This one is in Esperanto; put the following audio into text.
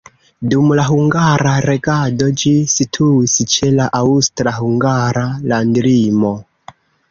Dum la hungara regado ĝi situis ĉe la aŭstra-hungara landlimo.